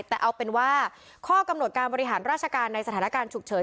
แต่เอาเป็นว่าข้อกำหนดการบริหารราชการในสถานการณ์ฉุกเฉิน